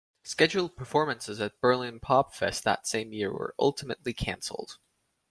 Scheduled performances at Berlin Popfest that same year were ultimately cancelled.